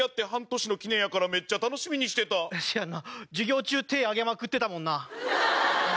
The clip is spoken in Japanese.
授業中手挙げまくってたもんな。